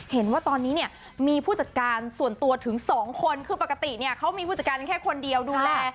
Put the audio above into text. เห็นว่าตอนนี้เนี่ยมีผู้จัดการส่วนตัวถึงสองคนคือปกติเนี่ยเขามีผู้จัดการแค่คนเดียวดูแล